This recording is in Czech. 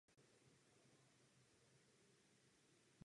Prototypem této skupiny by byl Pluto.